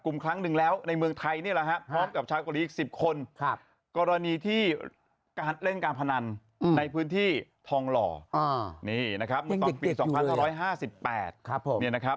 อื้ม